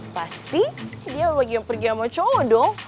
pasti dia lagi pergi sama cowo dong